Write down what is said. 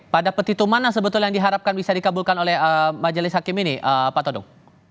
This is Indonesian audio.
pada petitu mana sebetulnya yang diharapkan bisa dikabulkan oleh majelis hakim ini pak todong